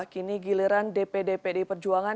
kini giliran dpd pdi perjuangan